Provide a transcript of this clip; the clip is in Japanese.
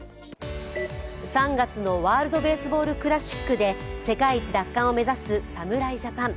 ３月のワールドベースボールクラシックで、世界一奪還を目指す侍ジャパン。